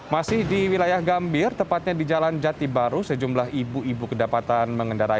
masih di wilayah gambir tepatnya di jalan jati baru sejumlah ibu ibu kedapatan mengendarai